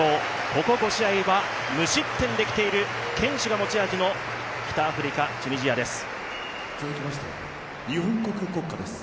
ここ５試合は無失点で来ている堅守が持ち味の北アフリカ、チュニジアです。